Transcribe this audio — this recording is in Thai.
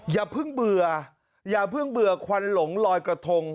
อย่าเพิ่งเบื่ออย่าเพิ่งเบื่อควันหลงลอยกระทง